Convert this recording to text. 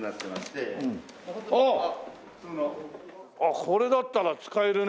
ああこれだったら使えるね。